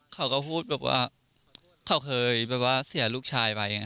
เขาก็พูดว่าเขาเคยเสียลูกชายไป